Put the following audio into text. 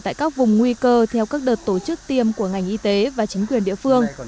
tại các vùng nguy cơ theo các đợt tổ chức tiêm của ngành y tế và chính quyền địa phương